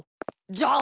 じゃあ。